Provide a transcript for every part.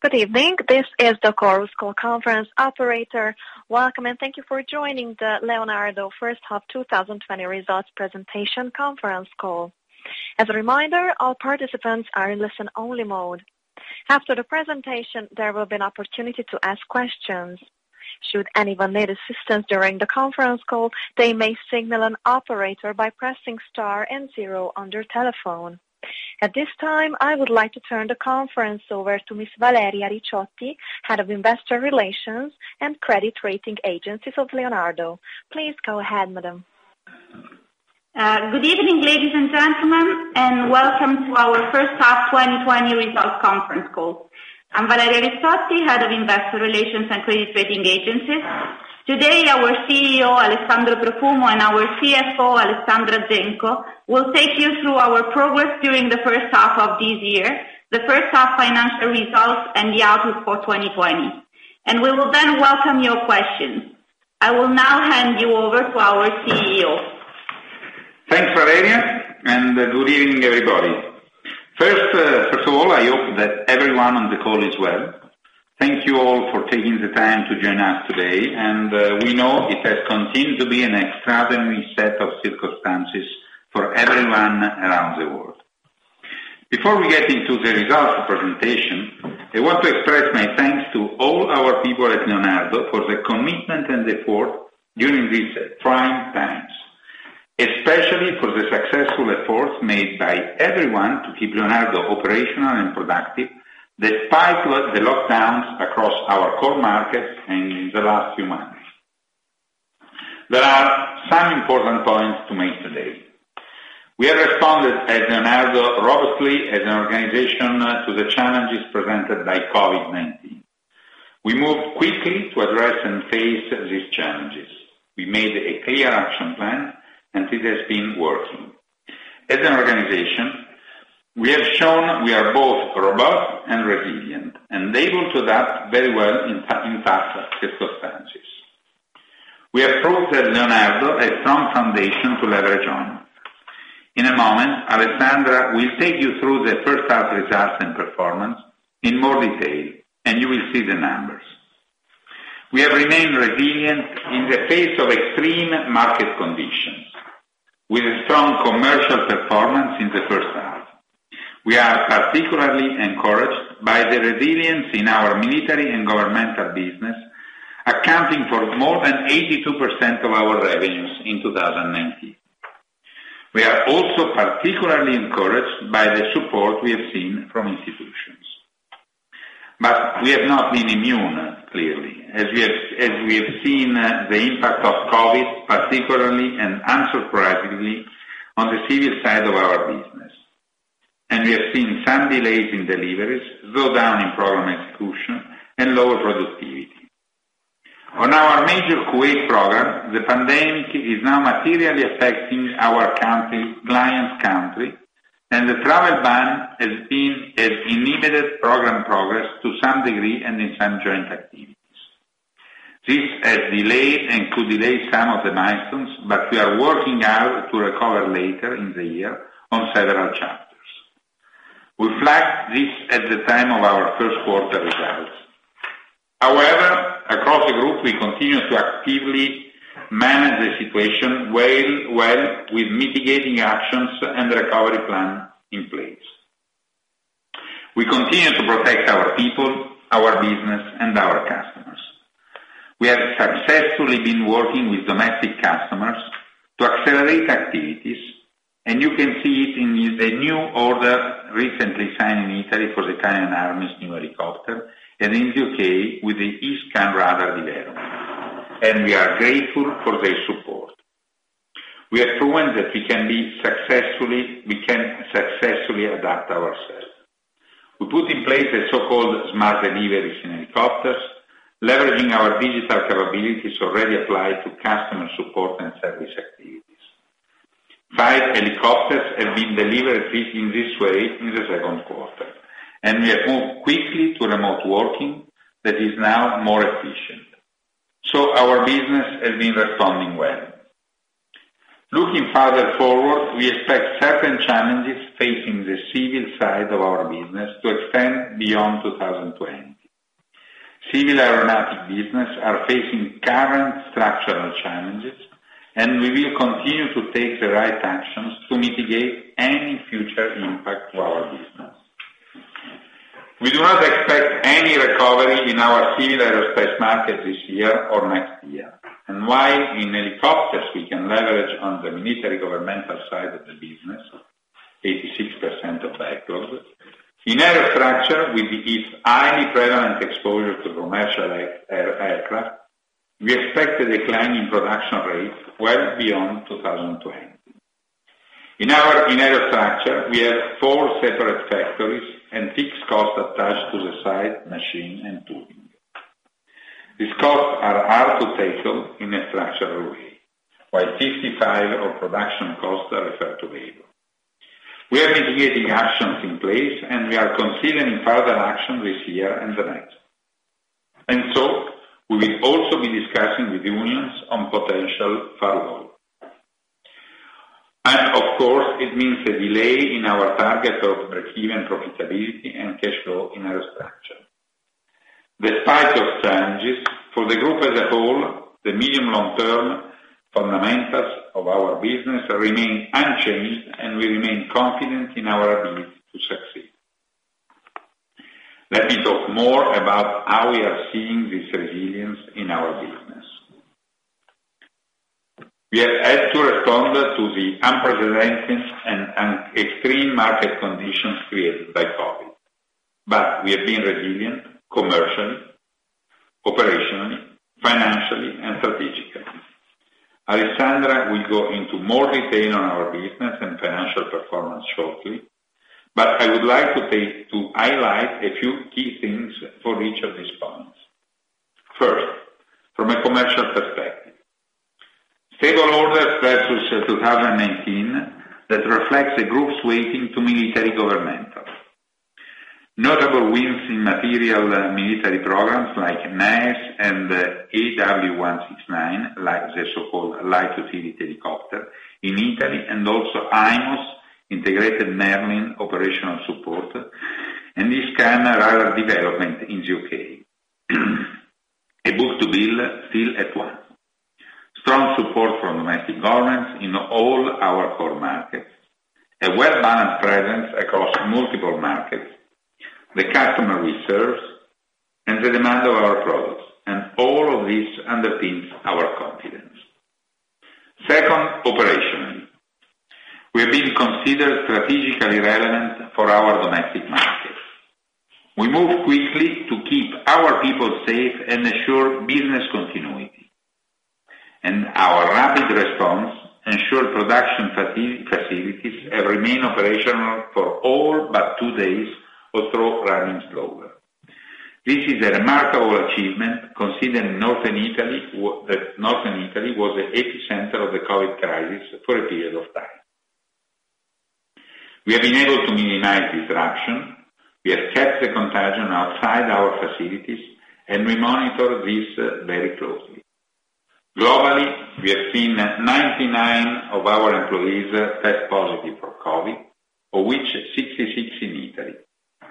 Good evening. This is the Chorus Call conference operator. Welcome, thank you for joining the Leonardo First Half 2020 Results Presentation conference call. As a reminder, all participants are in listen-only mode. After the presentation, there will be an opportunity to ask questions. Should anyone need assistance during the conference call, they may signal an operator by pressing star and zero on their telephone. At this time, I would like to turn the conference over to Ms. Valeria Ricciotti, Head of Investor Relations and Credit Rating Agencies of Leonardo. Please go ahead, madam. Good evening, ladies and gentlemen, welcome to our First Half 2020 Results conference call. I'm Valeria Ricciotti, Head of Investor Relations and Credit Rating Agencies. Today, our CEO, Alessandro Profumo, and our CFO, Alessandra Genco, will take you through our progress during the first half of this year, the first half financial results, and the outlook for 2020. We will then welcome your questions. I will now hand you over to our CEO. Thanks, Valeria. Good evening, everybody. First of all, I hope that everyone on the call is well. Thank you all for taking the time to join us today. We know it has continued to be an extraordinary set of circumstances for everyone around the world. Before we get into the results presentation, I want to express my thanks to all our people at Leonardo for the commitment and effort during these trying times, especially for the successful efforts made by everyone to keep Leonardo operational and productive, despite the lockdowns across our core markets in the last few months. There are some important points to make today. We have responded as Leonardo robustly as an organization to the challenges presented by COVID-19. We moved quickly to address and face these challenges. We made a clear action plan. It has been working. As an organization, we have shown we are both robust and resilient and able to adapt very well in tough circumstances. We have proved that Leonardo has strong foundation to leverage on. In a moment, Alessandra Genco will take you through the first half results and performance in more detail. You will see the numbers. We have remained resilient in the face of extreme market conditions with a strong commercial performance in the first half. We are particularly encouraged by the resilience in our military and governmental business, accounting for more than 82% of our revenues in 2019. We are also particularly encouraged by the support we have seen from institutions. We have not been immune, clearly, as we have seen the impact of COVID, particularly and unsurprisingly, on the civil side of our business. We have seen some delays in deliveries, slowdown in program execution, and lower productivity. On our major Kuwait Program, the pandemic is now materially affecting our client's country, and the travel ban has inhibited program progress to some degree and in some joint activities. This has delayed and could delay some of the milestones, but we are working out to recover later in the year on several chapters. We flagged this at the time of our first quarter results. Across the group, we continue to actively manage the situation well, with mitigating actions and recovery plan in place. We continue to protect our people, our business, and our customers. We have successfully been working with domestic customers to accelerate activities. You can see it in the new order recently signed in Italy for the Italian Army's new helicopter and in the U.K. with the ECRS Mk2 delivery. We are grateful for their support. We have proven that we can successfully adapt ourselves. We put in place a so-called Smart deliveries in helicopters, leveraging our digital capabilities already applied to customer support and service activities. Five helicopters have been delivered in this way in the second quarter. We have moved quickly to remote working that is now more efficient. Our business has been responding well. Looking farther forward, we expect certain challenges facing the civil side of our business to extend beyond 2020. Civil aeronautic business are facing current structural challenges, and we will continue to take the right actions to mitigate any future impact to our business. We do not expect any recovery in our civil aerospace market this year or next year. While in helicopters, we can leverage on the military governmental side of the business, 86% of backlog. In Aerostructures, with its highly prevalent exposure to commercial aircraft, we expect a decline in production rates well beyond 2020. In Aerostructures, we have four separate factories and fixed costs attached to the site, machine, and tooling. These costs are hard to tackle in a structural way, while 55% of production costs are referred to labor. We have mitigating actions in place, and we are considering further action this year and the next. We will also be discussing with unions on potential furloughs. It means a delay in our target of breakeven profitability and cash flow in Aerostructures. Despite challenges, for the group as a whole, the medium long term fundamentals of our business remain unchanged, and we remain confident in our ability to succeed. Let me talk more about how we are seeing this resilience in our business. We have had to respond to the unprecedented and extreme market conditions created by COVID, but we have been resilient commercially, operationally, financially, and strategically. Alessandra will go into more detail on our business and financial performance shortly, but I would like to highlight a few key things for each of these points. First, from a commercial perspective, stable orders versus 2019 that reflects the group's weighting to military governmental. Notable wins in material military programs like NEES and AW169, like the so-called Light Utility Helicopter in Italy and also IMOS, Integrated Merlin Operational Support, and the E-Scan development in U.K. A book-to-bill still at one. Strong support from domestic governments in all our core markets. A well-balanced presence across multiple markets, the customer we serve, and the demand of our products, all of this underpins our confidence. Second, operationally, we have been considered strategically relevant for our domestic markets. We move quickly to keep our people safe and ensure business continuity. Our rapid response ensure production facilities have remained operational for all but two days, although running slower. This is a remarkable achievement considering Northern Italy was the epicenter of the COVID-19 crisis for a period of time. We have been able to minimize disruption. We have kept the contagion outside our facilities, and we monitor this very closely. Globally, we have seen 99 of our employees test positive for COVID-19, of which 66 in Italy,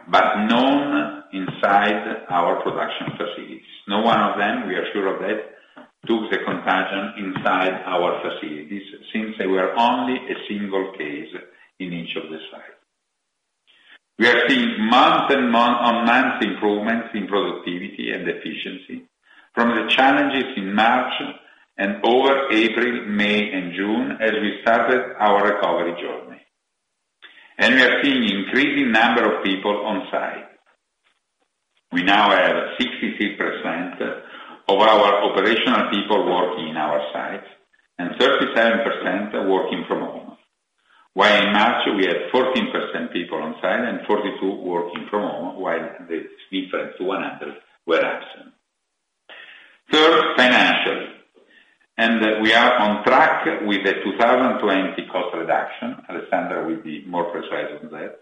but none inside our production facilities. No one of them, we are sure of that, took the contagion inside our facilities since they were only a single case in each of the site. We have seen month-on-month improvements in productivity and efficiency from the challenges in March and over April, May, and June as we started our recovery journey, and we are seeing increasing number of people on site. We now have 63% of our operational people working in our sites and 37% working from home. While in March, we had 14% people on site and 42 working from home, while the difference, (100), were absent. Third, financially, we are on track with the 2020 cost reduction. Alessandra will be more precise on that.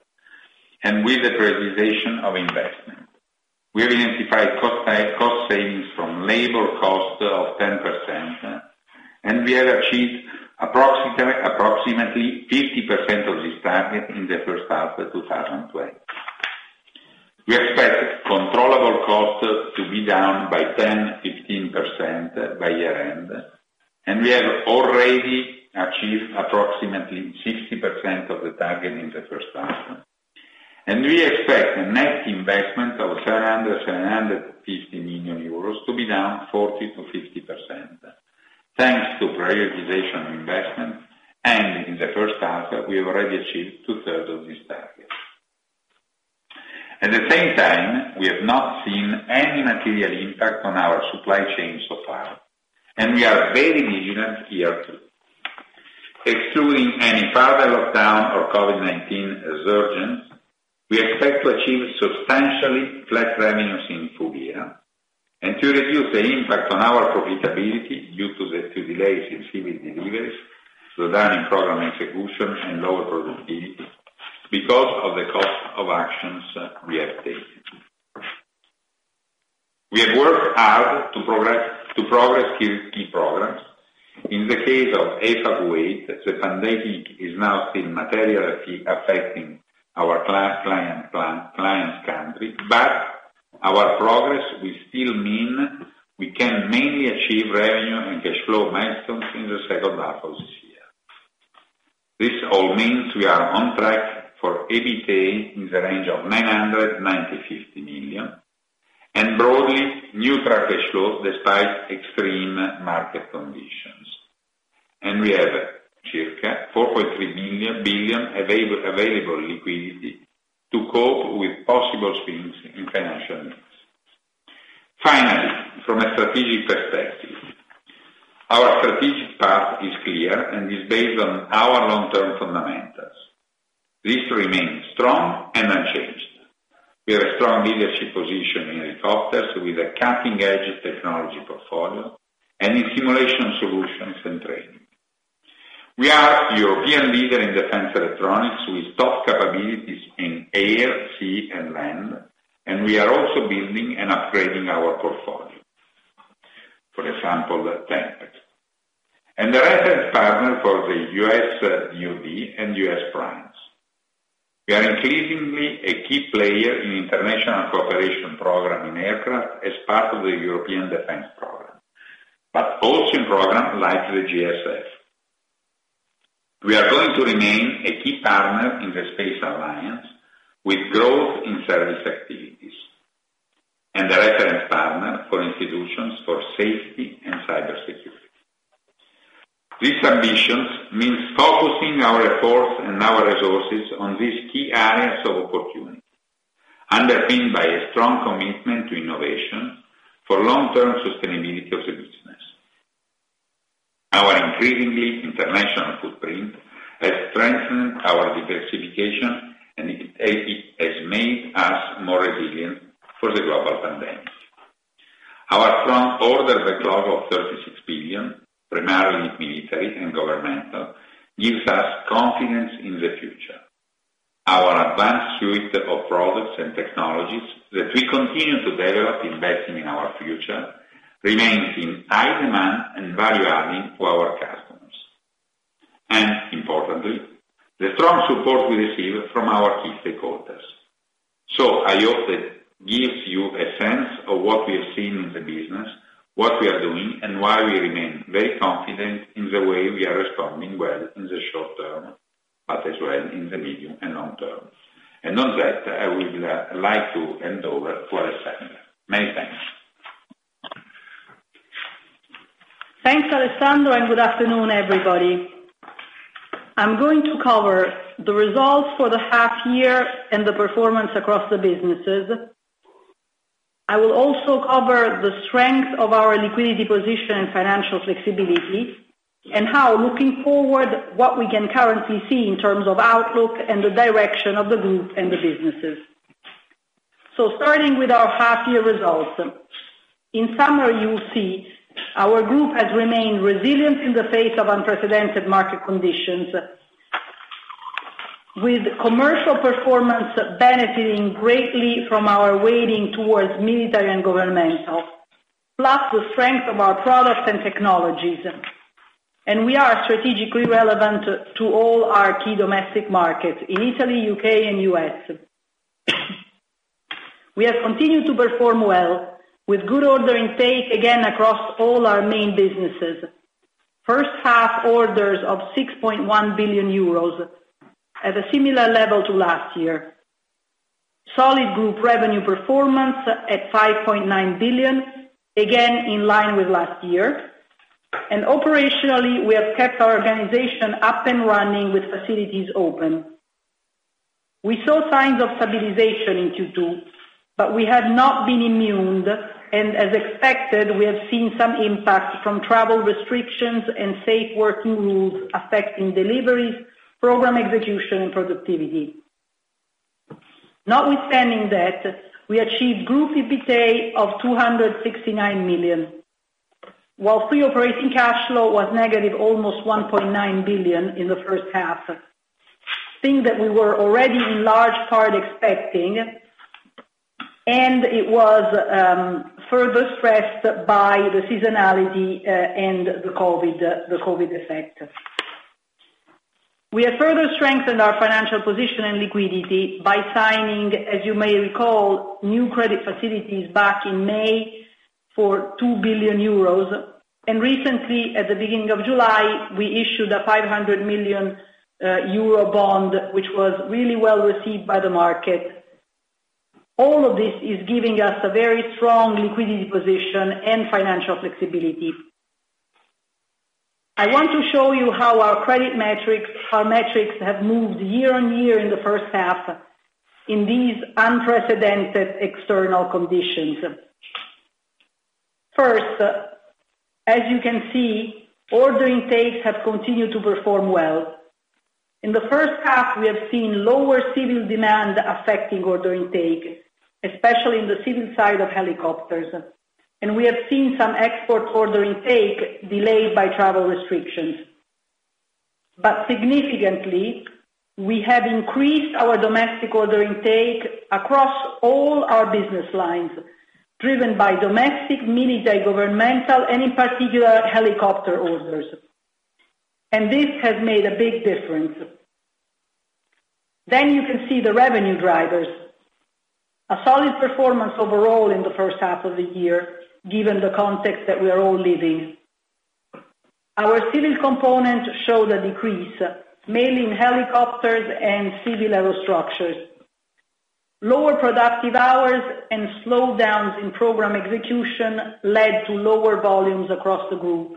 With the prioritization of investment, we have identified cost savings from labor cost of 10%, and we have achieved approximately 50% of this target in the first half of 2020. We expect controllable costs to be down by 10%-15% by year-end, and we have already achieved approximately 60% of the target in the first half. We expect a net investment of 700 million-750 million euros to be down 40%-50%, thanks to prioritization of investment. In the first half, we have already achieved two-third of this target. At the same time, we have not seen any material impact on our supply chain so far, and we are very vigilant here, too. Excluding any further lockdown or COVID-19 resurgence, we expect to achieve substantially flat revenues in full year and to reduce the impact on our profitability due to delays in civil deliveries, slowdown in program execution, and lower productivity because of the cost of actions we have taken. We have worked hard to progress key programs. In the case of EFA Kuwait, the pandemic is now still materially affecting our client's country, but our progress will still mean we can mainly achieve revenue and cash flow milestones in the second half of this year. Broadly neutral cash flow despite extreme market conditions. We have circa 4.3 billion available liquidity to cope with possible swings in financial needs. Finally, from a strategic perspective, our strategic path is clear and is based on our long-term fundamentals. This remains strong and unchanged. We have a strong leadership position in helicopters with a cutting-edge technology portfolio and in simulation solutions and training. We are European leader in Defense electronics with top capabilities in air, sea, and land. We are also building and upgrading our portfolio. For example, Team Tempest. The reference partner for the U.S. DOD and U.S. primes. We are increasingly a key player in international cooperation program in aircraft as part of the European Defense Program, but also in programs like the JSF. We are going to remain a key partner in the space alliance with growth in service activities, a reference partner for institutions for safety and cybersecurity. These ambitions means focusing our efforts and our resources on these key areas of opportunity, underpinned by a strong commitment to innovation for long-term sustainability of the business. Our increasingly international footprint has strengthened our diversification, and it has made us more resilient for the global pandemic. Our strong order backlog of 36 billion, primarily military and governmental, gives us confidence in the future. Our advanced suite of products and technologies that we continue to develop, investing in our future, remains in high demand and value-adding to our customers. Importantly, the strong support we receive from our key stakeholders. I hope that gives you a sense of what we are seeing in the business, what we are doing, and why we remain very confident in the way we are responding well in the short term, but as well in the medium and long term. On that, I would like to hand over to Alessandra. Many thanks. Thanks, Alessandro, good afternoon, everybody. I'm going to cover the results for the half year and the performance across the businesses. I will also cover the strength of our liquidity position and financial flexibility, how looking forward, what we can currently see in terms of outlook and the direction of the group and the businesses. Starting with our half year results. In summary, you will see our group has remained resilient in the face of unprecedented market conditions, with commercial performance benefiting greatly from our weighting towards military and governmental, plus the strength of our products and technologies. We are strategically relevant to all our key domestic markets in Italy, U.K. and U.S. We have continued to perform well with good order intake, again, across all our main businesses. First half orders of 6.1 billion euros, at a similar level to last year. Solid group revenue performance at 5.9 billion, again in line with last year. Operationally, we have kept our organization up and running with facilities open. We saw signs of stabilization in Q2, but we have not been immune, and as expected, we have seen some impact from travel restrictions and safe working rules affecting deliveries, program execution, and productivity. Notwithstanding that, we achieved group EBITA of 269 million, while Free Operating Cash Flow was negative almost 1.9 billion in the first half, seeing that we were already in large part expecting, and it was further stressed by the seasonality, and the COVID effect. We have further strengthened our financial position and liquidity by signing, as you may recall, new credit facilities back in May for 2 billion euros. Recently, at the beginning of July, we issued a 500 million euro bond, which was really well received by the market. All of this is giving us a very strong liquidity position and financial flexibility. I want to show you how our credit metrics have moved year-over-year in the first half in these unprecedented external conditions. First, as you can see, order intakes have continued to perform well. In the first half, we have seen lower civil demand affecting order intake, especially in the civil side of helicopters, and we have seen some export order intake delayed by travel restrictions. Significantly, we have increased our domestic order intake across all our business lines, driven by domestic, military, governmental, and in particular, helicopter orders. This has made a big difference. You can see the revenue drivers. A solid performance overall in the first half of the year, given the context that we are all living. Our civil component showed a decrease, mainly in helicopters and civil Aerostructures. Lower productive hours and slowdowns in program execution led to lower volumes across the group,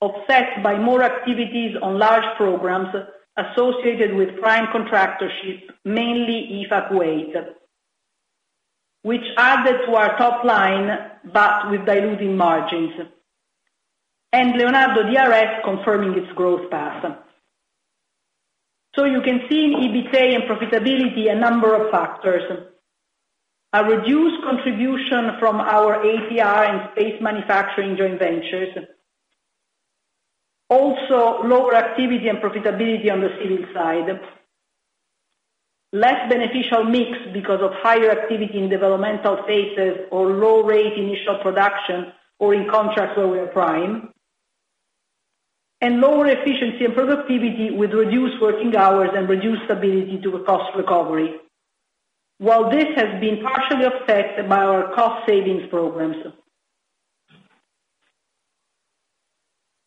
offset by more activities on large programs associated with prime contractorship, mainly Eurofighter Kuwait, which added to our top line, but with diluting margins. Leonardo DRS confirming its growth path. You can see in EBITA and profitability, a number of factors. A reduced contribution from our ATR and space manufacturing joint ventures. Also, lower activity and profitability on the civil side. Less beneficial mix because of higher activity in developmental phases or low rate initial production, or in contracts where we are prime, and lower efficiency and productivity with reduced working hours and reduced ability to a cost recovery. While this has been partially affected by our cost savings programs.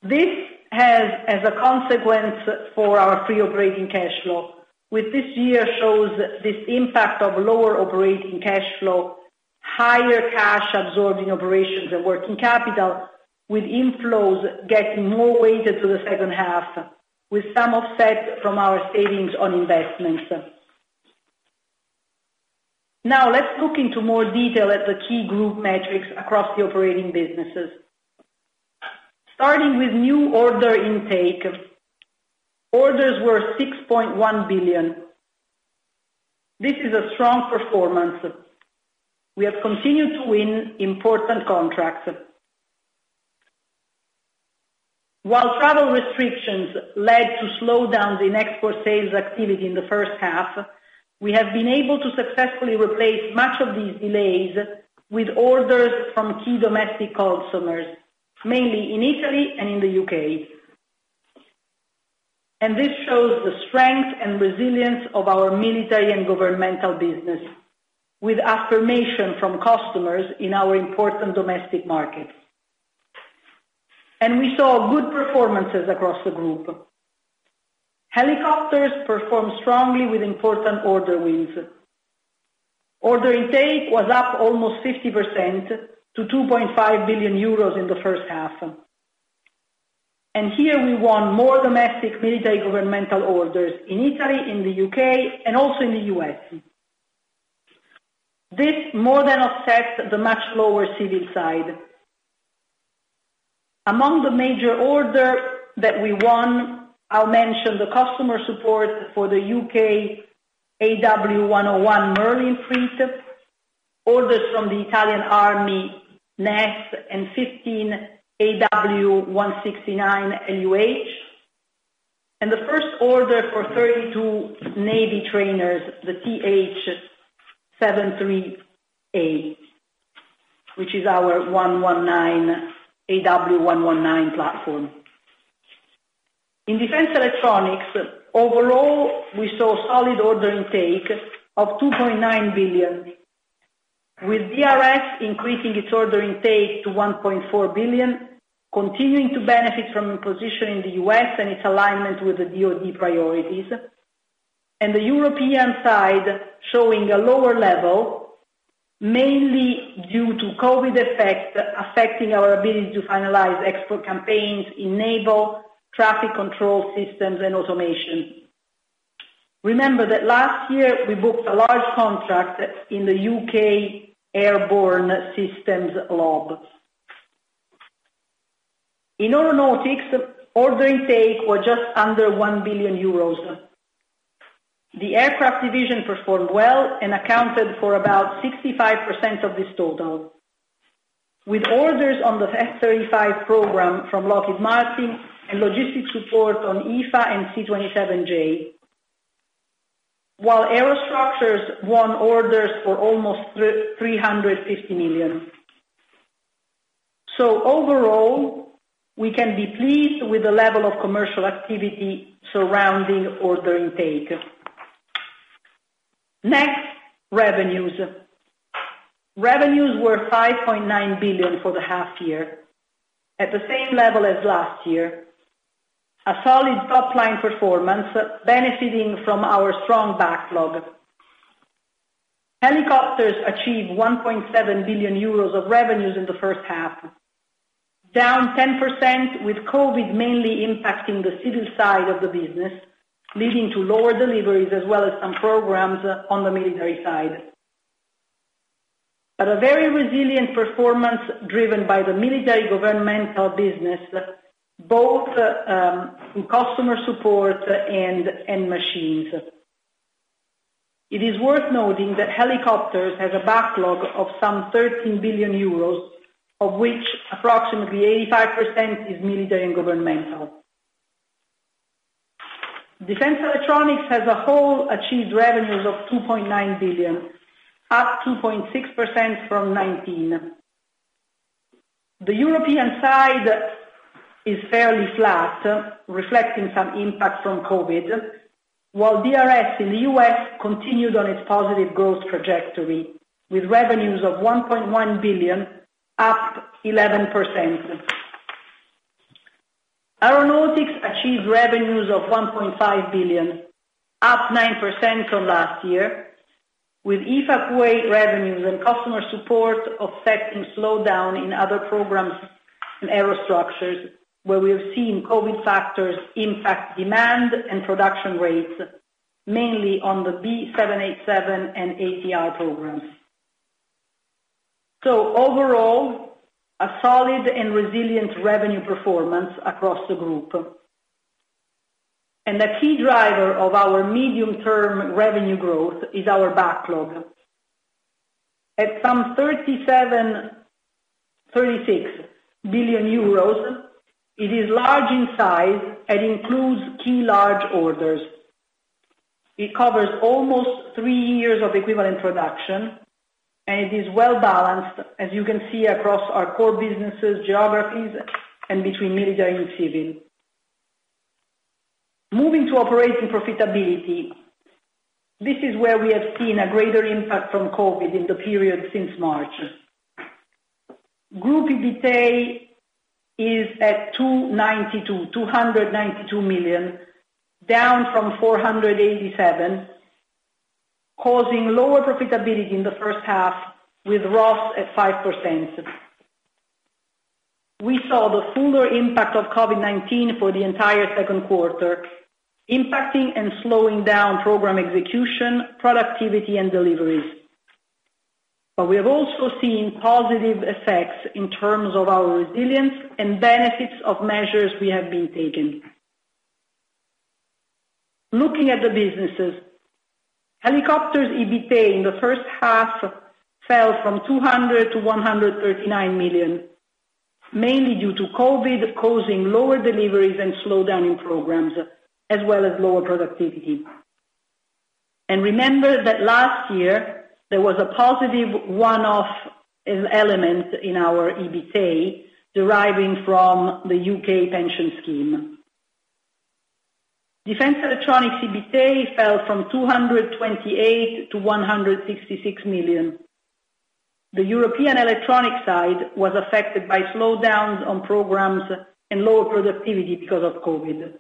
This has, as a consequence for our Free Operating Cash Flow, with this year shows this impact of lower operating cash flow, higher cash absorbing operations and working capital, with inflows getting more weighted to the second half, with some offset from our savings on investments. Let's look into more detail at the key group metrics across the operating businesses. Starting with new order intake. Orders were 6.1 billion. This is a strong performance. We have continued to win important contracts. While travel restrictions led to slowdowns in export sales activity in the first half, we have been able to successfully replace much of these delays with orders from key domestic customers, mainly in Italy and in the U.K. This shows the strength and resilience of our military and governmental business, with affirmation from customers in our important domestic markets. We saw good performances across the group. Helicopters performed strongly with important order wins. Order intake was up almost 50% to 2.5 billion euros in the first half. Here we won more domestic military governmental orders in Italy and the U.K. and also in the U.S. This more than offsets the much lower civil side. Among the major order that we won, I'll mention the customer support for the U.K. Leonardo AW101 Merlin fleet, orders from the Italian Army, NEES and 15 AW169 LUH, and the first order for 32 Navy trainers, the TH-73A, which is our Leonardo AW119 platform. In Defense electronics, overall, we saw solid order intake of 2.9 billion, with DRS increasing its order intake to 1.4 billion, continuing to benefit from a position in the U.S. and its alignment with the DOD priorities, and the European side showing a lower level, mainly due to COVID-19 effects affecting our ability to finalize export campaigns, enable0 traffic control systems, and automation. Remember that last year, we booked a large contract in the U.K. Airborne Systems LoB. In aeronautics, order intake was just under 1 billion euros. The aircraft division performed well and accounted for about 65% of this total, with orders on the F-35 program from Lockheed Martin and logistics support on EFA and C-27J. While Aerostructures won orders for almost 350 million. Overall, we can be pleased with the level of commercial activity surrounding order intake. Next, revenues. Revenues were 5.9 billion for the half year, at the same level as last year. A solid top-line performance, benefiting from our strong backlog. Helicopters achieved 1.7 billion euros of revenues in the first half, down 10%, with COVID mainly impacting the civil side of the business, leading to lower deliveries as well as some programs on the military side. At a very resilient performance driven by the military governmental business, both in customer support and machines. It is worth noting that helicopters has a backlog of some 13 billion euros, of which approximately 85% is military and governmental. Defense Electronics as a whole achieved revenues of 2.9 billion, up 2.6% from 2019. The European side is fairly flat, reflecting some impact from COVID, while DRS in the U.S. continued on its positive growth trajectory, with revenues of 1.1 billion, up 11%. Aeronautics achieved revenues of 1.5 billion, up 9% from last year, with EFA Kuwait revenues and customer support offsetting slowdown in other programs and Aerostructures, where we have seen COVID factors impact demand and production rates, mainly on the Boeing 787 Dreamliner and ATR programs. So overall, a solid and resilient revenue performance across the group. The key driver of our medium-term revenue growth is our backlog. At some 36 billion euros, it is large in size and includes key large orders. It covers almost three years of equivalent production, and it is well-balanced, as you can see, across our core businesses, geographies, and between military and civil. Moving to operating profitability, this is where we have seen a greater impact from COVID in the period since March. Group EBITA is at 292 million, down from 487, causing lower profitability in the first half, with ROS at 5%. We saw the fuller impact of COVID-19 for the entire second quarter, impacting and slowing down program execution, productivity, and deliveries. We have also seen positive effects in terms of our resilience and benefits of measures we have been taking. Looking at the businesses, helicopters EBITA in the first half fell from 200 million-139 million, mainly due to COVID causing lower deliveries and slowdown in programs, as well as lower productivity. Remember that last year there was a positive one-off element in our EBITA deriving from the U.K. pension scheme. Defense electronics EBITA fell from 228 million-166 million. The European electronic side was affected by slowdowns on programs and lower productivity because of COVID.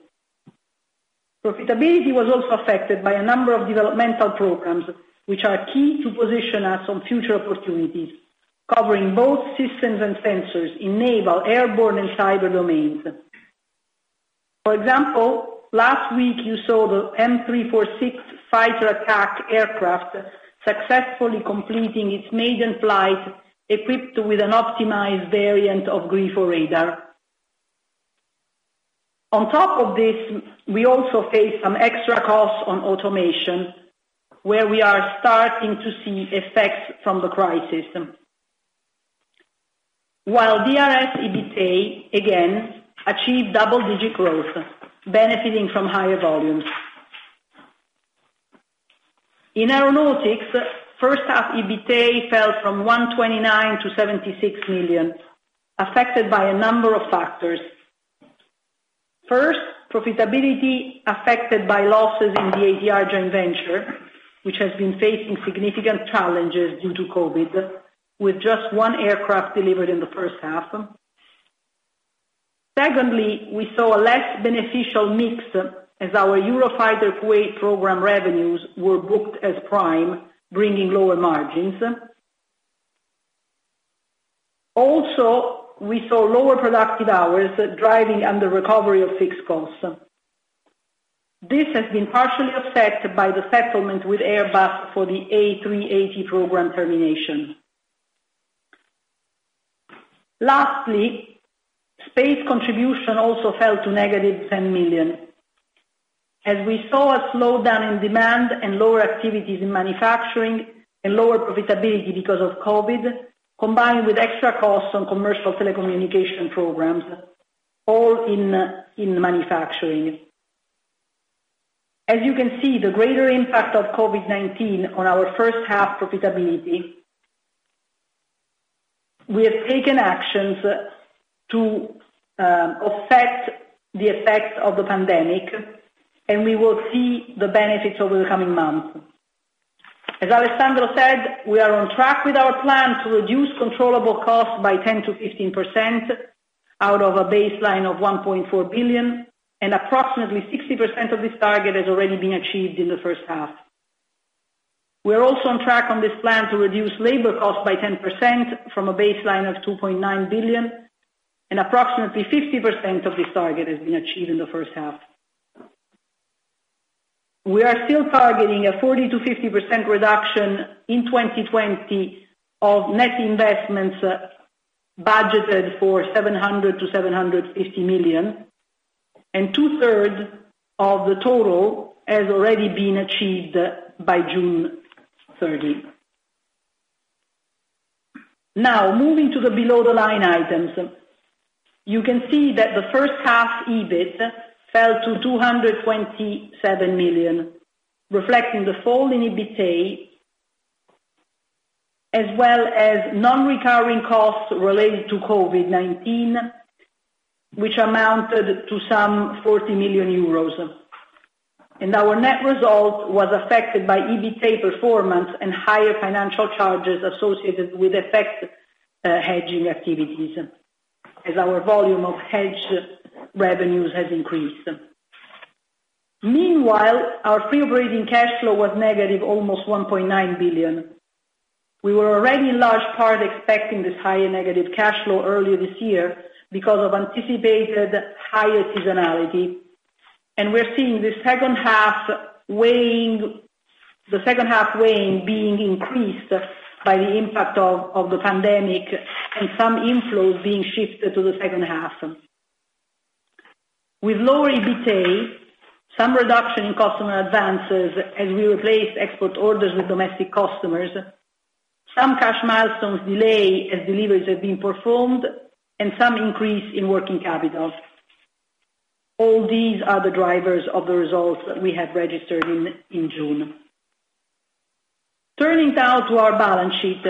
Profitability was also affected by a number of developmental programs, which are key to position us on future opportunities, covering both systems and sensors in naval, airborne, and cyber domains. For example, last week you saw the Leonardo M-346 fighter attack aircraft successfully completing its maiden flight, equipped with an optimized variant of Grifo radar. On top of this, we also face some extra costs on automation, where we are starting to see effects from the crisis. While DRS EBITA, again, achieved double-digit growth, benefiting from higher volumes. In aeronautics, first half EBITA fell from 129 million-76 million, affected by a number of factors. First, profitability affected by losses in the ATR joint venture, which has been facing significant challenges due to COVID-19, with just one aircraft delivered in the first half. Secondly, we saw a less beneficial mix as our Eurofighter Kuwait program revenues were booked as prime, bringing lower margins. Also, we saw lower productive hours driving under recovery of fixed costs. This has been partially affected by the settlement with Airbus for the A380 program termination. Lastly, space contribution also fell to -10 million, as we saw a slowdown in demand and lower activities in manufacturing and lower profitability because of COVID, combined with extra costs on commercial telecommunication programs, all in manufacturing. As you can see, the greater impact of COVID-19 on our first half profitability, we have taken actions to offset the effects of the pandemic, and we will see the benefits over the coming months. As Alessandro said, we are on track with our plan to reduce controllable costs by 10%-15% out of a baseline of 1.4 billion, and approximately 60% of this target has already been achieved in the first half. We are also on track on this plan to reduce labor costs by 10% from a baseline of 2.9 billion, and approximately 50% of this target has been achieved in the first half. We are still targeting a 40%-50% reduction in 2020 of net investments budgeted for 700 million-750 million, and two-thirds of the total has already been achieved by June 30. Moving to the below the line items, you can see that the first half EBIT fell to 227 million, reflecting the fall in EBITA, as well as non-recurring costs related to COVID-19, which amounted to some 40 million euros. Our net result was affected by EBITA performance and higher financial charges associated with FX hedging activities, as our volume of hedged revenues has increased. Meanwhile, our Free Operating Cash Flow was negative almost 1.9 billion. We were already in large part expecting this higher negative cash flow earlier this year because of anticipated higher seasonality. We're seeing the second half weight being increased by the impact of the pandemic and some inflows being shifted to the second half. With lower EBITA, some reduction in customer advances as we replace export orders with domestic customers, some cash milestones delay as deliveries have been performed, and some increase in working capital. All these are the drivers of the results that we have registered in June. Turning now to our balance sheet.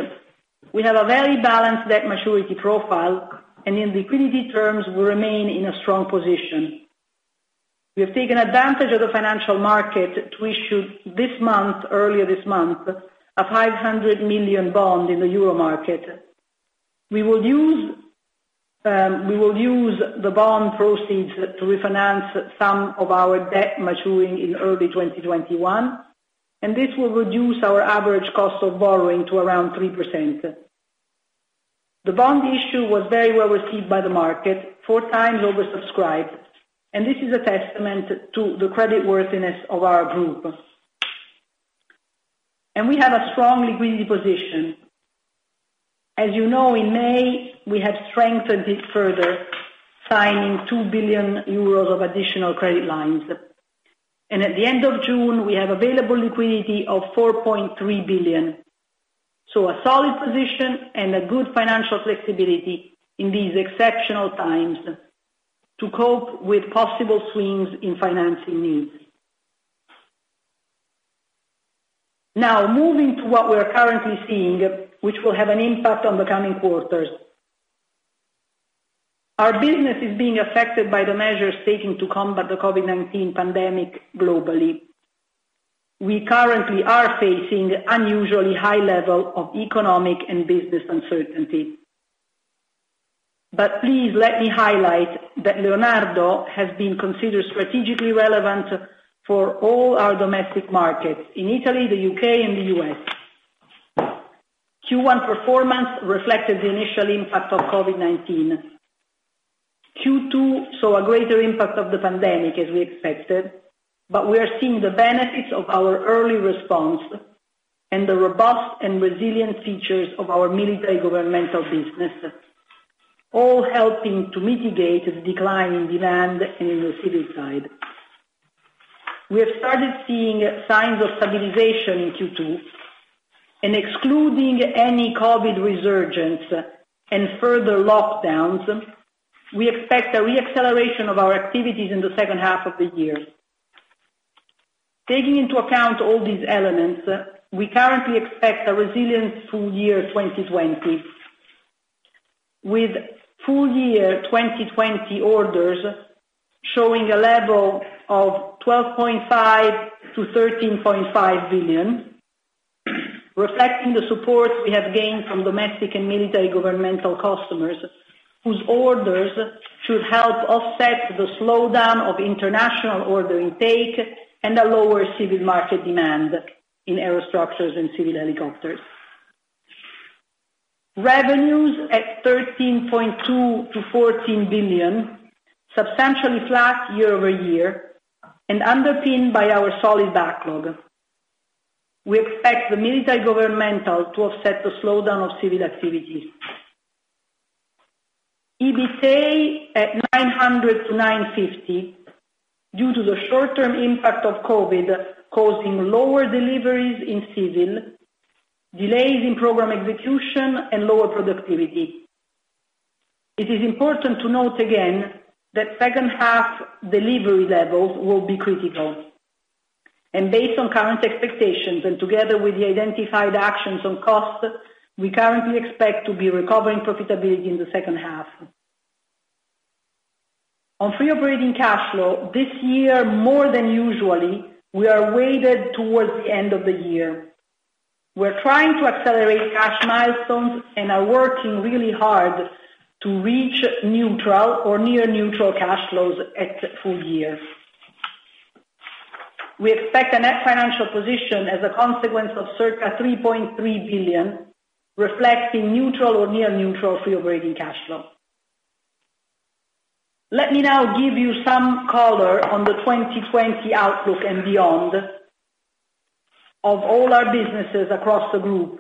We have a very balanced debt maturity profile, and in liquidity terms, we remain in a strong position. We have taken advantage of the financial market to issue earlier this month, a 500 million bond in the Euro market. We will use the bond proceeds to refinance some of our debt maturing in early 2021. This will reduce our average cost of borrowing to around 3%. The bond issue was very well received by the market, four times oversubscribed. This is a testament to the credit worthiness of our group. We have a strong liquidity position. As you know, in May, we have strengthened it further, signing 2 billion euros of additional credit lines. At the end of June, we have available liquidity of 4.3 billion. A solid position and a good financial flexibility in these exceptional times to cope with possible swings in financing needs. Now, moving to what we're currently seeing, which will have an impact on the coming quarters. Our business is being affected by the measures taken to combat the COVID-19 pandemic globally. We currently are facing unusually high level of economic and business uncertainty. Please let me highlight that Leonardo has been considered strategically relevant for all our domestic markets, in Italy, the U.K., and the U.S. Q1 performance reflected the initial impact of COVID-19. Q2 saw a greater impact of the pandemic as we expected, but we are seeing the benefits of our early response and the robust and resilient features of our military governmental business, all helping to mitigate the decline in demand in the civil side. We have started seeing signs of stabilization in Q2 and excluding any COVID resurgence and further lockdowns, we expect a re-acceleration of our activities in the second half of the year. Taking into account all these elements, we currently expect a resilient full year 2020, with full year 2020 orders showing a level of 12.5 billion-13.5 billion, reflecting the support we have gained from domestic and military governmental customers, whose orders should help offset the slowdown of international order intake and a lower civil market demand in Aerostructures and civil helicopters. Revenues at 13.2 billion-14 billion, substantially flat year-over-year, and underpinned by our solid backlog. We expect the military governmental to offset the slowdown of civil activities. EBITA at 900 million-950 million due to the short-term impact of COVID-19 causing lower deliveries in civil, delays in program execution, and lower productivity. It is important to note again that second half delivery levels will be critical. Based on current expectations and together with the identified actions on costs, we currently expect to be recovering profitability in the second half. On Free Operating Cash Flow, this year more than usually, we are weighted towards the end of the year. We're trying to accelerate cash milestones and are working really hard to reach neutral or near neutral cash flows at full year. We expect a net financial position as a consequence of circa 3.3 billion, reflecting neutral or near neutral Free Operating Cash Flow. Let me now give you some color on the 2020 outlook and beyond of all our businesses across the group,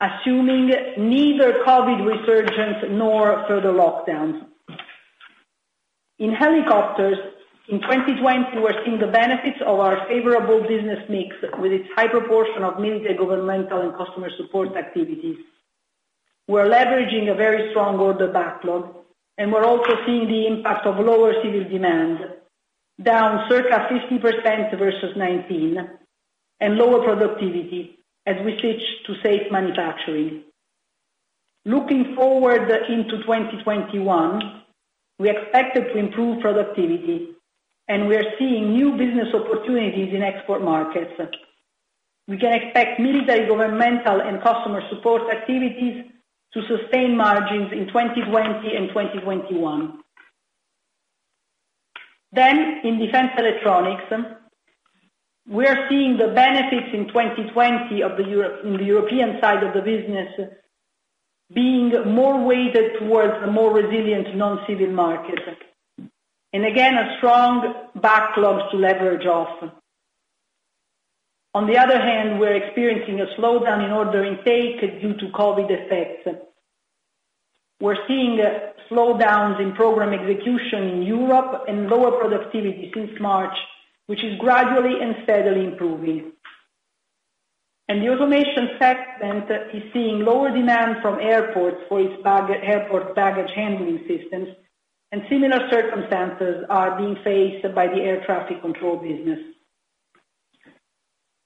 assuming neither COVID resurgence nor further lockdowns. In helicopters, in 2020, we're seeing the benefits of our favorable business mix with its high proportion of military, governmental, and customer support activities. We're leveraging a very strong order backlog, and we're also seeing the impact of lower civil demand, down circa 50% versus 2019, and lower productivity as we switch to safe manufacturing. Looking forward into 2021, we are expected to improve productivity, and we are seeing new business opportunities in export markets. We can expect military, governmental, and customer support activities to sustain margins in 2020 and 2021. In Defense electronics, we are seeing the benefits in 2020 in the European side of the business being more weighted towards a more resilient non-civil market. Again, strong backlogs to leverage off. On the other hand, we're experiencing a slowdown in order intake due to COVID-19 effects. We're seeing slowdowns in program execution in Europe and lower productivity since March, which is gradually and steadily improving. The automation segment is seeing lower demand from airports for its airport baggage handling systems, and similar circumstances are being faced by the air traffic control business.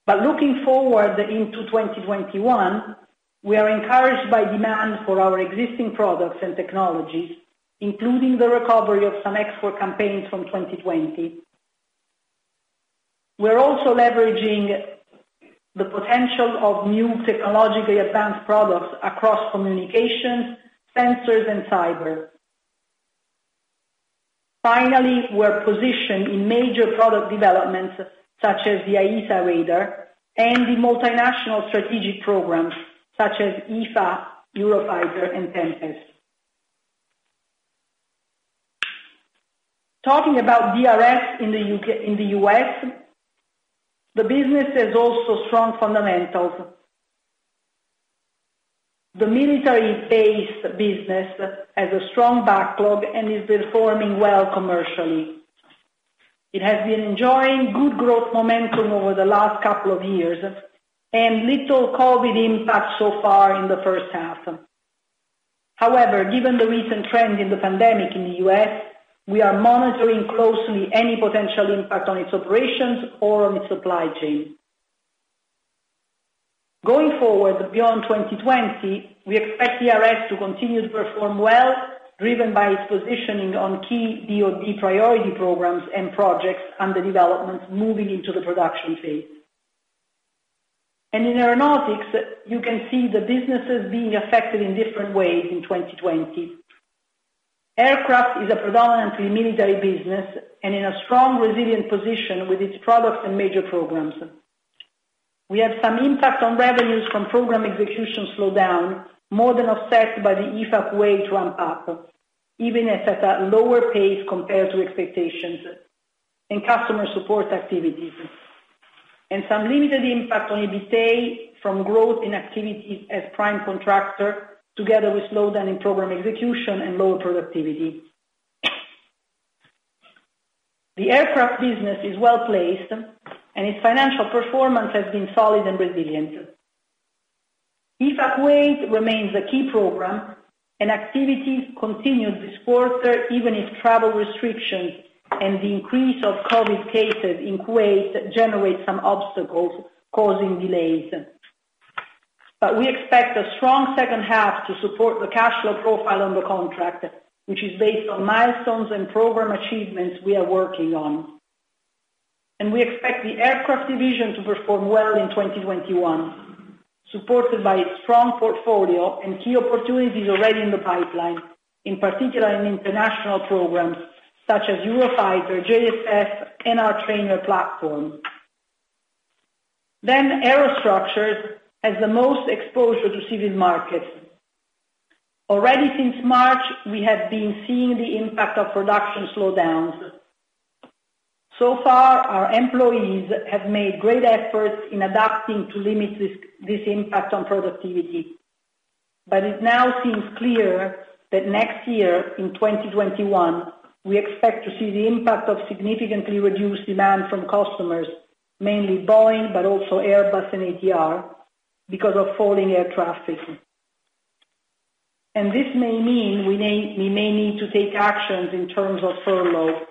Looking forward into 2021, we are encouraged by demand for our existing products and technologies, including the recovery of some export campaigns from 2020. We're also leveraging the potential of new technologically advanced products across communications, sensors, and cyber. Finally, we're positioned in major product developments such as the AESA radar and the multinational strategic programs such as EFA, Eurofighter, and Tempest. Talking about DRS in the U.S., the business has also strong fundamentals. The military-based business has a strong backlog and has been performing well commercially. It has been enjoying good growth momentum over the last couple of years and little COVID-19 impact so far in the first half. However, given the recent trend in the pandemic in the U.S., we are monitoring closely any potential impact on its operations or on its supply chain. Going forward beyond 2020, we expect DRS to continue to perform well, driven by its positioning on key DOD priority programs and projects, and the developments moving into the production phase. In aeronautics, you can see the businesses being affected in different ways in 2020. Aircraft is a predominantly military business and in a strong, resilient position with its products and major programs. We have some impact on revenues from program execution slowdown, more than offset by the EFA Kuwait ramp-up, even if it's at a lower pace compared to expectations, and customer support activities. Some limited impact on EBITA from growth in activities as prime contractor, together with slowdown in program execution and lower productivity. The aircraft business is well-placed, its financial performance has been solid and resilient. EFA Kuwait remains a key program, activities continued this quarter, even if travel restrictions and the increase of COVID-19 cases in Kuwait generate some obstacles, causing delays. We expect a strong second half to support the cash flow profile on the contract, which is based on milestones and program achievements we are working on. We expect the aircraft division to perform well in 2021, supported by its strong portfolio and key opportunities already in the pipeline, in particular in international programs such as Eurofighter Typhoon, JSF, and our trainer platform. Aerostructures has the most exposure to civil markets. Already since March, we have been seeing the impact of production slowdowns. Our employees have made great efforts in adapting to limit this impact on productivity. It now seems clear that next year, in 2021, we expect to see the impact of significantly reduced demand from customers, mainly Boeing, but also Airbus and ATR, because of falling air traffic. This may mean we may need to take actions in terms of furlough.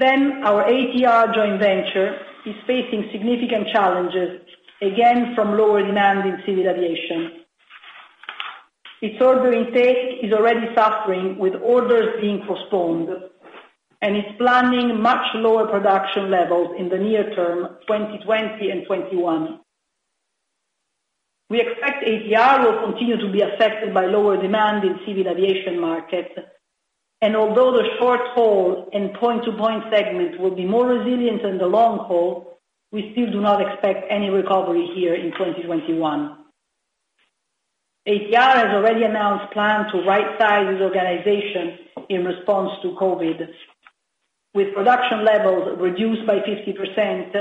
Our ATR joint venture is facing significant challenges, again, from lower demand in civil aviation. Its order intake is already suffering, with orders being postponed, and it's planning much lower production levels in the near term, 2020 and 2021. We expect ATR will continue to be affected by lower demand in civil aviation markets, and although the short-haul and point-to-point segment will be more resilient than the long haul, we still do not expect any recovery here in 2021. ATR has already announced plan to rightsize its organization in response to COVID-19. With production levels reduced by 50%,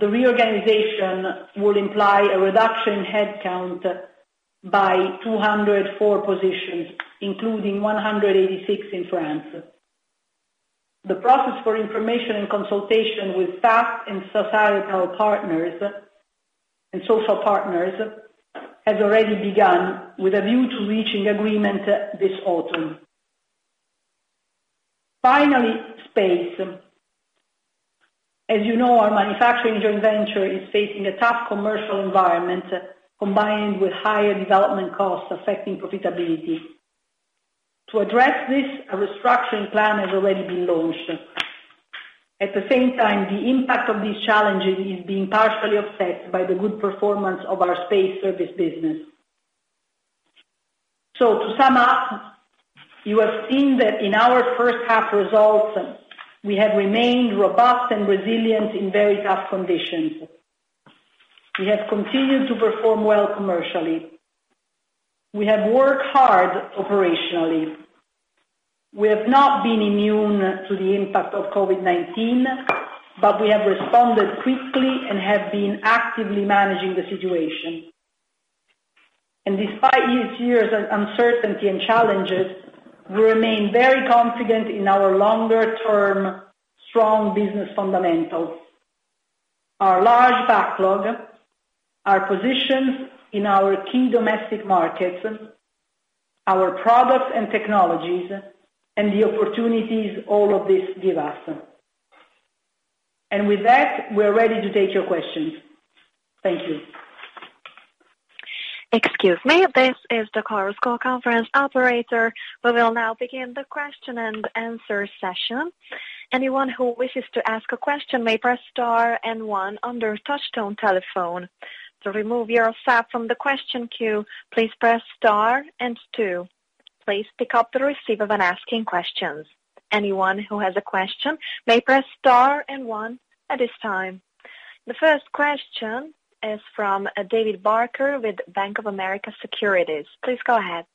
the reorganization will imply a reduction in headcount by 204 positions, including 186 in France. The process for information and consultation with staff and societal partners, and social partners, has already begun with a view to reaching agreement this autumn. Finally, space. As you know, our manufacturing joint venture is facing a tough commercial environment, combined with higher development costs affecting profitability. To address this, a restructuring plan has already been launched. At the same time, the impact of these challenges is being partially offset by the good performance of our Space Service business. To sum up, you have seen that in our first half results, we have remained robust and resilient in very tough conditions. We have continued to perform well commercially. We have worked hard operationally. We have not been immune to the impact of COVID-19, but we have responded quickly and have been actively managing the situation. Despite this year's uncertainty and challenges, we remain very confident in our longer-term strong business fundamentals, our large backlog, our positions in our key domestic markets, our products and technologies, and the opportunities all of this give us. With that, we're ready to take your questions. Thank you. Excuse me. This is the conference call conference operator. We will now begin the question and answer session. Anyone who wishes to ask a question may press star and one on their touch-tone telephone. To remove yourself from the question queue, please press star and two. Please pick up the receiver when asking questions. Anyone who has a question may press star and one at this time. The first question is from David Barker with Bank of America Securities. Please go ahead.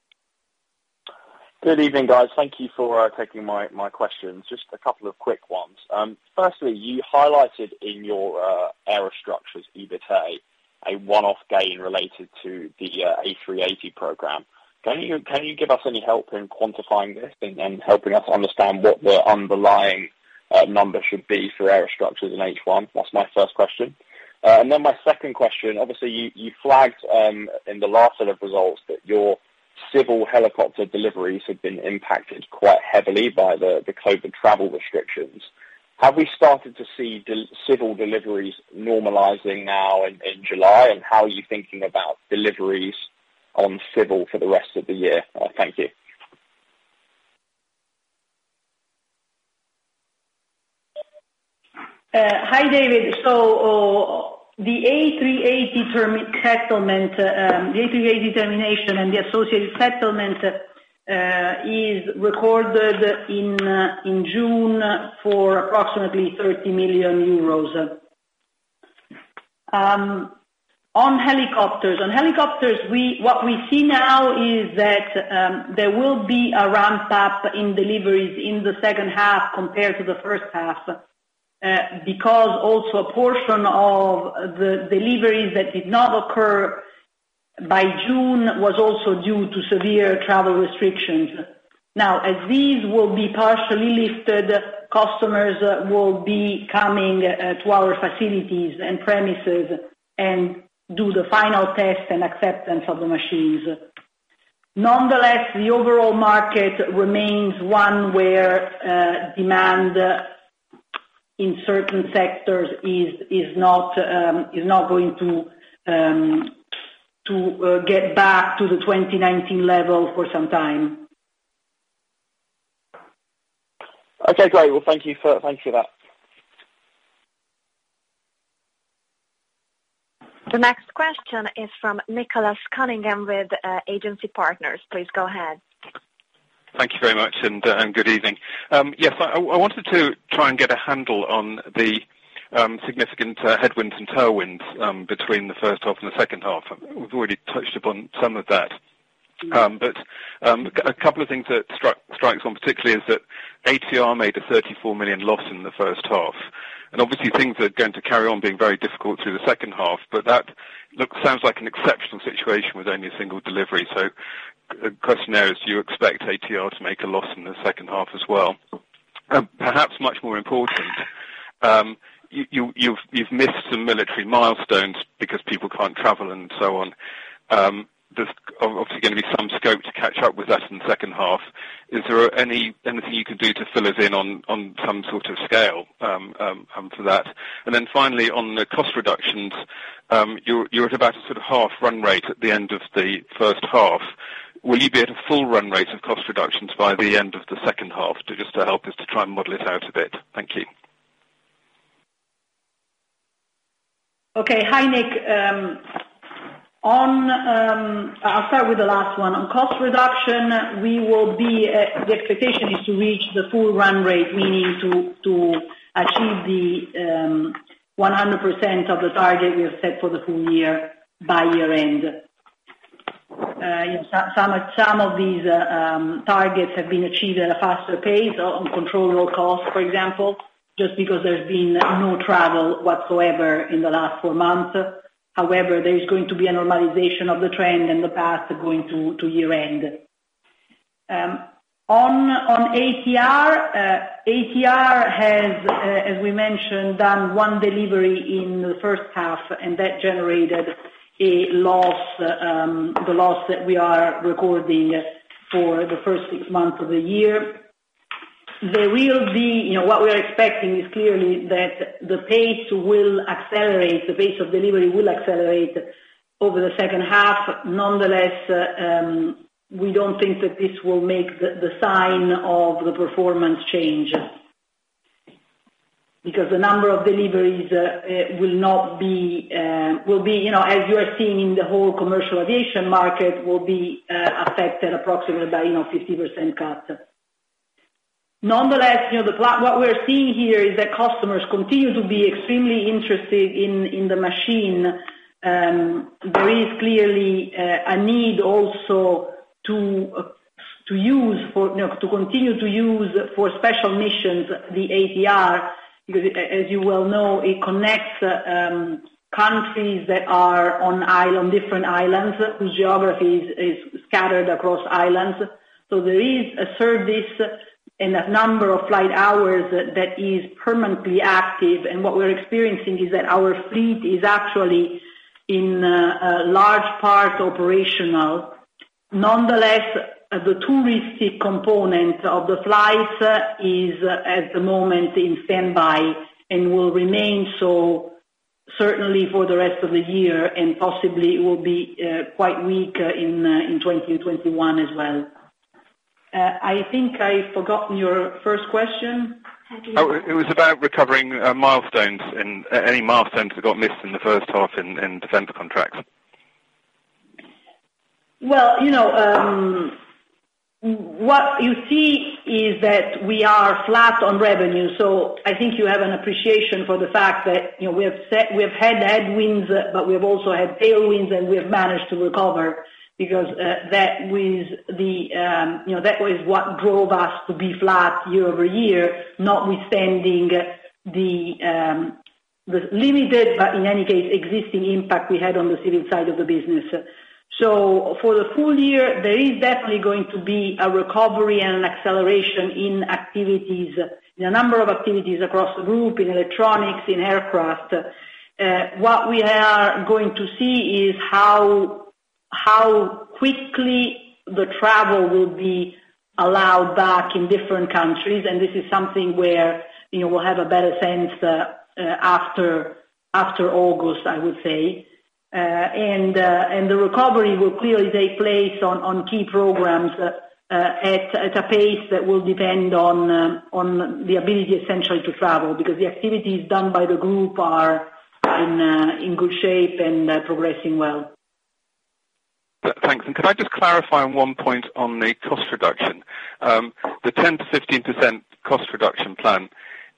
Good evening, guys. Thank you for taking my questions. Just a couple of quick ones. Firstly, you highlighted in your Aerostructures EBITA, a one-off gain related to the Airbus A380 program. Can you give us any help in quantifying this and helping us understand what the underlying number should be for Aerostructures in H1? That's my first question. My second question, obviously, you flagged in the last set of results that your civil helicopter deliveries have been impacted quite heavily by the COVID travel restrictions. Have we started to see civil deliveries normalizing now in July? How are you thinking about deliveries on civil for the rest of the year? Thank you. Hi, David. The Airbus A380 termination and the associated settlement is recorded in June for approximately EUR 30 million. On helicopters, what we see now is that there will be a ramp up in deliveries in the second half compared to the first half, because also a portion of the deliveries that did not occur by June was also due to severe travel restrictions. As these will be partially lifted, customers will be coming to our facilities and premises and do the final test and acceptance of the machines. Nonetheless, the overall market remains one where demand in certain sectors is not going to get back to the 2019 level for some time. Okay, great. Thank you for that. The next question is from Nick Cunningham with Agency Partners. Please go ahead. Thank you very much, and good evening. I wanted to try and get a handle on the significant headwinds and tailwinds between the first half and the second half. We've already touched upon some of that. A couple of things that strikes one particularly is that ATR made a 34 million loss in the first half. Obviously, things are going to carry on being very difficult through the second half, but that sounds like an exceptional situation with only a single delivery. The question there is, do you expect ATR to make a loss in the second half as well? Perhaps much more important, you've missed some military milestones because people can't travel and so on. There's obviously going to be some scope to catch up with that in the second half. Is there anything you could do to fill us in on some sort of scale for that? Then finally, on the cost reductions, you're at about a sort of half run rate at the end of the first half. Will you be at a full run rate of cost reductions by the end of the second half, just to help us to try and model it out a bit? Thank you. Okay. Hi, Nick. I'll start with the last one. On cost reduction, the expectation is to reach the full run rate, meaning to achieve the 100% of the target we have set for the full year by year-end. There is going to be a normalization of the trend in the path going to year-end. On ATR has, as we mentioned, done one delivery in the first half, and that generated the loss that we are recording for the first six months of the year. What we are expecting is clearly that the pace of delivery will accelerate over the second half. We don't think that this will make the sign of the performance change. Because the number of deliveries, as you are seeing in the whole commercial aviation market, will be affected approximately by a 50% cut. Nonetheless, what we're seeing here is that customers continue to be extremely interested in the machine. There is clearly a need also to continue to use, for special missions, the ATR, because as you well know, it connects countries that are on different islands, whose geography is scattered across islands. There is a service and a number of flight hours that is permanently active, and what we're experiencing is that our fleet is actually, in large part, operational. Nonetheless, the touristy component of the flights is, at the moment, in standby and will remain so certainly for the rest of the year, and possibly will be quite weak in 2021 as well. I think I've forgotten your first question. Oh, it was about recovering milestones, and any milestones that got missed in the first half in defense contracts. Well, what you see is that we are flat on revenue. I think you have an appreciation for the fact that we have had headwinds, but we have also had tailwinds, and we have managed to recover, because that was what drove us to be flat year-over-year, notwithstanding the limited, but in any case, existing impact we had on the civil side of the business. For the full year, there is definitely going to be a recovery and an acceleration in activities, in a number of activities across the group, in electronics, in aircraft. What we are going to see is how quickly the travel will be allowed back in different countries, and this is something where we'll have a better sense after August, I would say. The recovery will clearly take place on key programs at a pace that will depend on the ability, essentially, to travel, because the activities done by the group are in good shape and progressing well. Thanks. Could I just clarify on one point on the cost reduction? The 10%-15% cost reduction plan,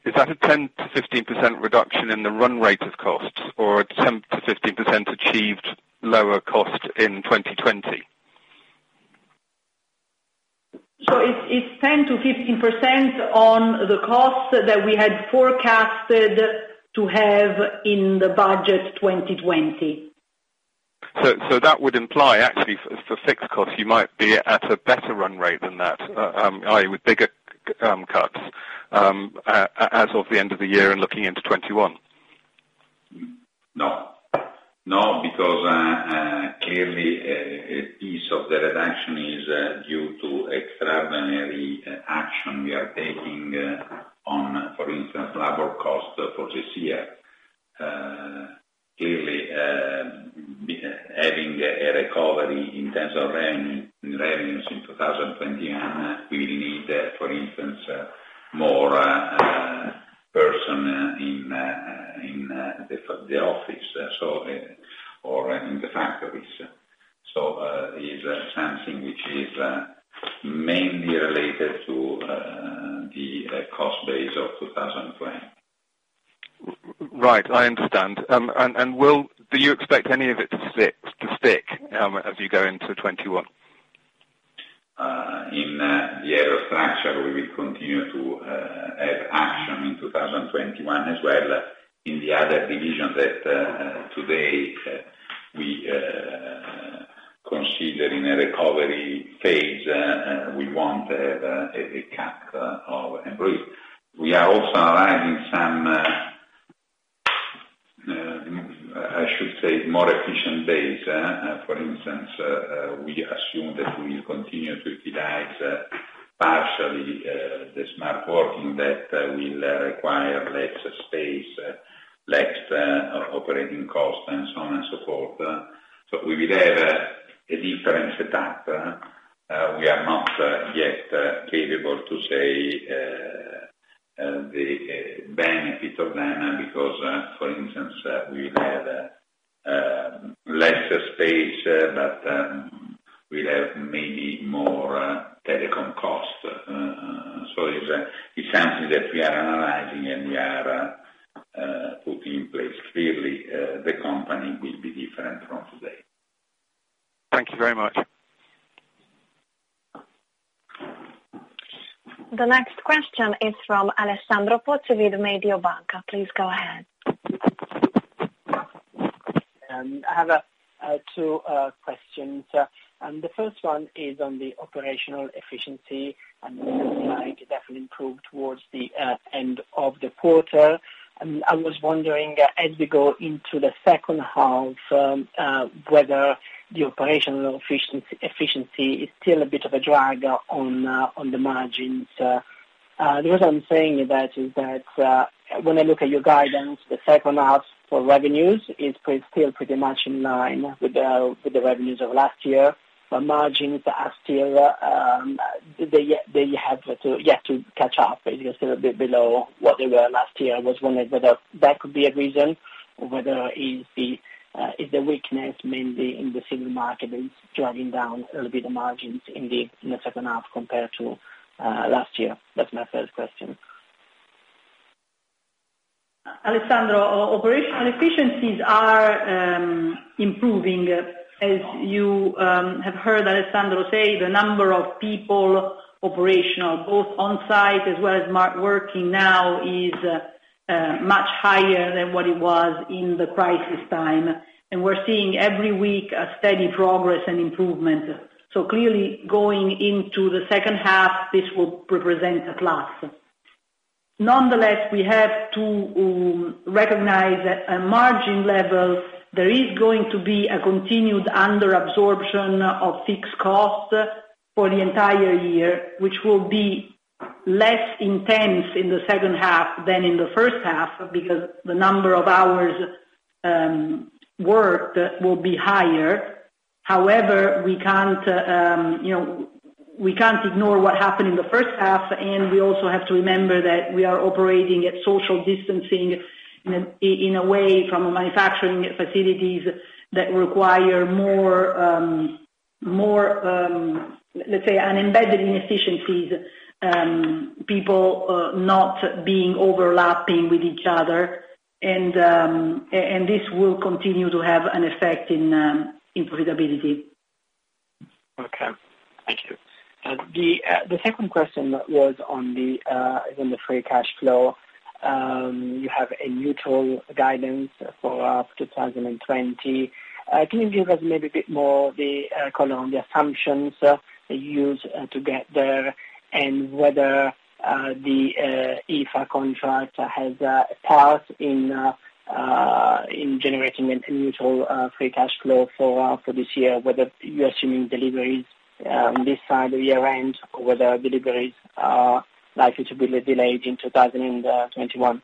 is that a 10%-15% reduction in the run rate of costs or a 10%-15% achieved lower cost in 2020? It's 10%-15% on the cost that we had forecasted to have in the budget 2020. That would imply, actually, for fixed costs, you might be at a better run rate than that, i.e., with bigger cuts, as of the end of the year and looking into 2021. No. Because clearly, a piece of the reduction is due to extraordinary action we are taking on, for instance, labor cost for this year. Clearly, having a recovery in terms of revenues in 2021, we will need, for instance, more person in the office or in the factories. Is something which is mainly related to the cost base of 2020. Right. I understand. Do you expect any of it to stick as you go into 2021? In the Aerostructures, we will continue to have action in 2021 as well. In the other divisions that today we consider in a recovery phase, we want a cap of employees. We are also analyzing some, I should say, more efficient base. For instance, we assume that we will continue to utilize partially the smart working that will require less space, less operating cost and so on and so forth. We will have a different setup. We are not yet capable to say the benefit of that because, for instance, we will have less space, but we'll have maybe more telecom cost. It's something that we are analyzing and we are putting in place. Clearly, the company will be different from today. Thank you very much. The next question is from Alessandro Pozzi with Mediobanca. Please go ahead. I have two questions. The first one is on the operational efficiency and it looks like it definitely improved towards the end of the quarter. I was wondering as we go into the second half, whether the operational efficiency is still a bit of a drag on the margins. The reason I'm saying that is that, when I look at your guidance, the second half for revenues is still pretty much in line with the revenues of last year, but margins, they have yet to catch up. They're still a bit below what they were last year. I was wondering whether that could be a reason, or whether it's the weakness mainly in the civil market that is dragging down a little bit of margins in the second half compared to last year. That's my first question. Alessandro, our operational efficiencies are improving. As you have heard Alessandro Profumo say, the number of people operational, both on-site as well as working now is much higher than what it was in the crisis time. We're seeing every week a steady progress and improvement. Clearly going into the second half, this will represent a plus. Nonetheless, we have to recognize at a margin level, there is going to be a continued under-absorption of fixed costs for the entire year, which will be less intense in the second half than in the first half because the number of hours worked will be higher. We can't ignore what happened in the first half, and we also have to remember that we are operating at social distancing in a way from manufacturing facilities that require more, let's say, an embedded inefficiencies, people not being overlapping with each other. This will continue to have an effect in profitability. Okay. Thank you. The second question was on the free cash flow. You have a neutral guidance for 2020. Can you give us maybe a bit more the color on the assumptions used to get there and whether the EFA contract has a part in generating a neutral free cash flow for this year? Whether you are assuming deliveries on this side of the year-end, or whether deliveries are likely to be delayed in 2021.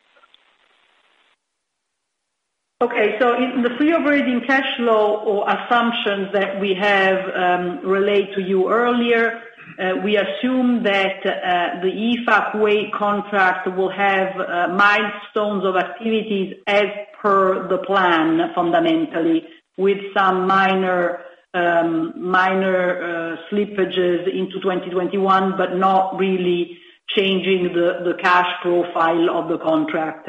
In the Free Operating Cash Flow our assumptions that we have relayed to you earlier, we assume that the EFA Kuwait contract will have milestones of activities as per the plan, fundamentally, with some minor slippages into 2021, but not really changing the cash profile of the contract.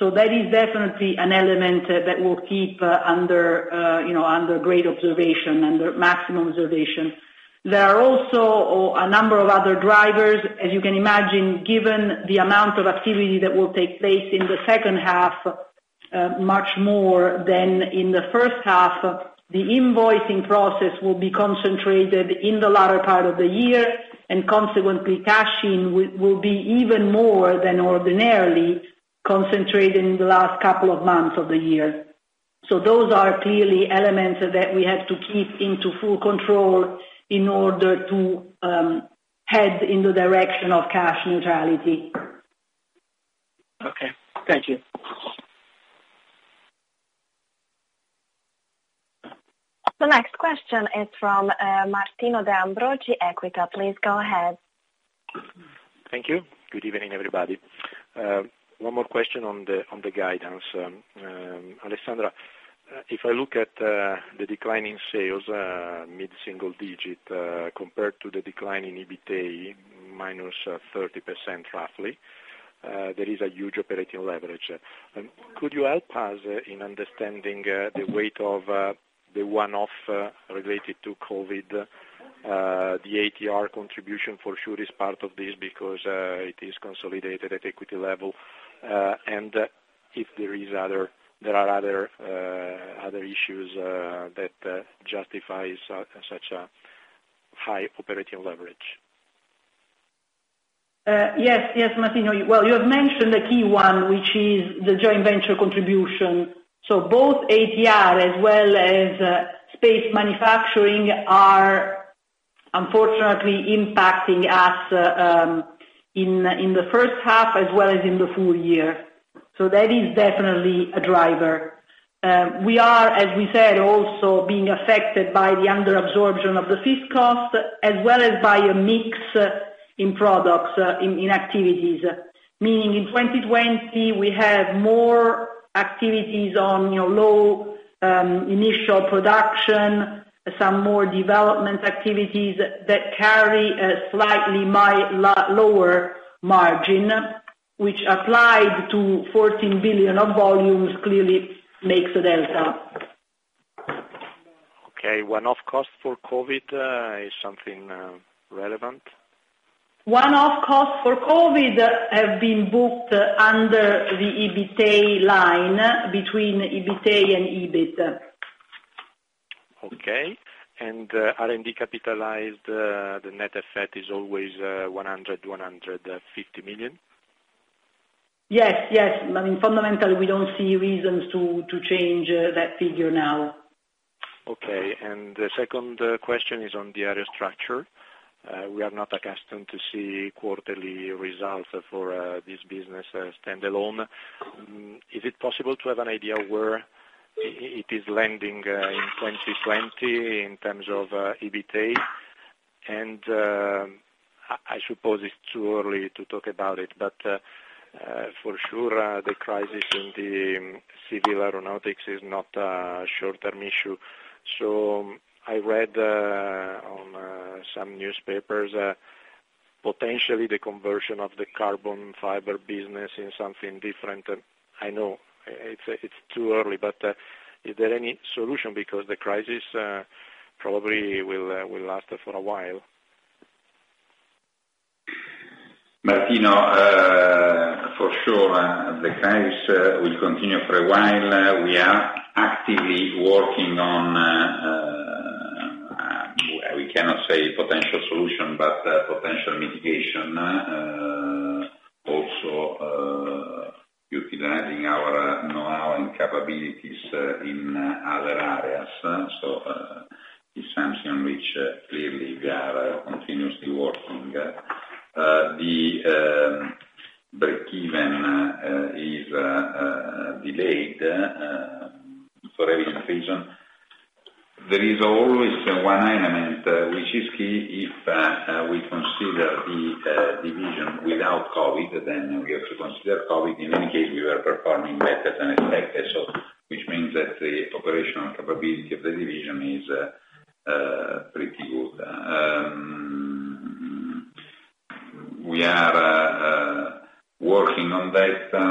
That is definitely an element that we'll keep under great observation, under maximum observation. There are also a number of other drivers, as you can imagine, given the amount of activity that will take place in the second half, much more than in the first half. The invoicing process will be concentrated in the latter part of the year, and consequently, cashing will be even more than ordinarily concentrated in the last couple of months of the year. Those are clearly elements that we have to keep into full control in order to head in the direction of cash neutrality. Okay. Thank you. The next question is from Martino De Ambroggi, Equita. Please go ahead. Thank you. Good evening, everybody. One more question on the guidance. Alessandra, if I look at the decline in sales, mid-single digit, compared to the decline in EBITA, -30% roughly, there is a huge operating leverage. Could you help us in understanding the weight of the one-off related to COVID? The ATR contribution for sure is part of this because it is consolidated at equity level, and if there are other issues that justifies such a high operating leverage. Yes, Martino. Well, you have mentioned the key one, which is the joint venture contribution. Both ATR as well as space manufacturing are unfortunately impacting us in the first half as well as in the full year. That is definitely a driver. We are, as we said, also being affected by the under-absorption of the fixed cost as well as by a mix in products in activities. Meaning in 2020, we have more activities on low initial production, some more development activities that carry a slightly lower margin, which applied to 14 billion of volumes, clearly makes a delta. Okay. One-off cost for COVID is something relevant? One-off costs for COVID have been booked under the EBITA line between EBITA and EBIT. Okay. R&D capitalized, the net FX is always 100 million-150 million? Yes. Fundamentally, we don't see reasons to change that figure now. Okay, the second question is on the Aerostructures. We are not accustomed to see quarterly results for this business standalone. Is it possible to have an idea where it is landing in 2020 in terms of EBITA? I suppose it's too early to talk about it, but for sure the crisis in the civil aeronautics is not a short-term issue. I read on some newspapers. Potentially the conversion of the carbon fiber business in something different. I know it's too early, but is there any solution? The crisis probably will last for a while. Martino, for sure, the crisis will continue for a while. We are actively working on, we cannot say potential solution, but potential mitigation. Utilizing our know-how and capabilities in other areas. It's something which clearly we are continuously working. The breakeven is delayed for obvious reason. There is always one element which is key, if we consider the division without COVID, then we have to consider COVID. In any case, we were performing better than expected, which means that the operational capability of the division is pretty good. We are working on data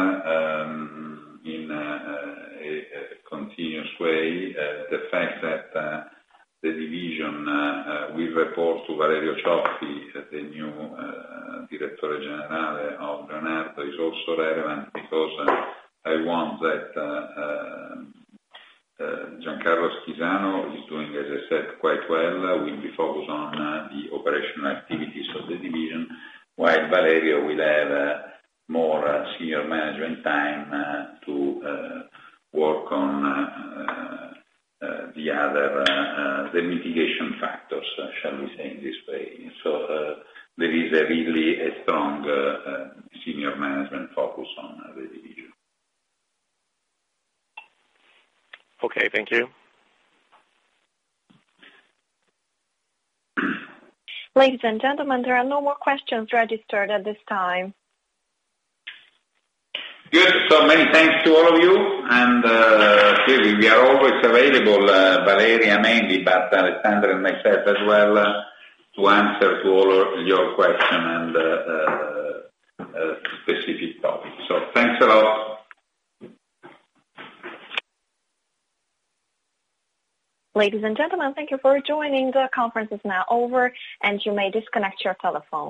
in a continuous way. The fact that the division will report to Lucio Valerio Cioffi, the new Direttore Generale of Leonardo, is also relevant because I want that Giancarlo Schisano is doing, as I said, quite well, will be focused on the operational activities of the division, while Valerio will have more senior management time to work on the other mitigation factors, shall we say, in this way. There is really a strong senior management focus on the division. Okay, thank you. Ladies and gentlemen, there are no more questions registered at this time. Good. Many thanks to all of you. Clearly, we are always available, Valeria mainly, but Alessandra and myself as well, to answer to all of your question and specific topics. Thanks a lot. Ladies and gentlemen, thank you for joining. The conference is now over, and you may disconnect your telephones.